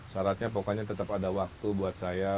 syaratnya pokoknya tetap ada waktu buat saya